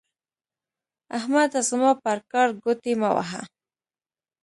احمده زما پر کار ګوتې مه وهه.